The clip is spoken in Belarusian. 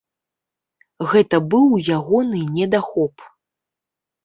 Гэта быў ягоны недахоп.